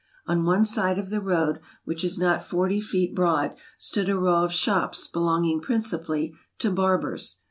On one side of the road, which is not forty feet broad, stood a row of shops belong ing principally to barbers.